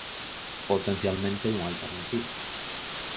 Potencialmente hai unha alternativa.